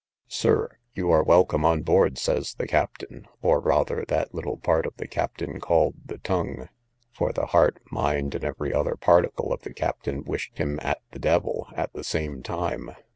Sir, you are welcome on board, says the captain; or, rather, that little part of the captain called the tongue; for the heart, mind, and every other particle, of the captain wished him at the d l at the same time.